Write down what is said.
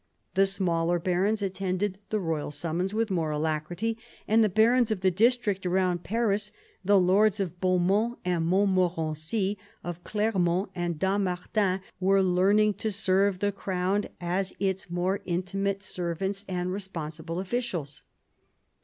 The smaller barons attended the royal summons with more alacrity, and the barons of the district round Paris, the lords of Beaumont and Mont morency, of Clermont and Dammartin, were learning to serve the crown as its more intimate servants and responsible officials.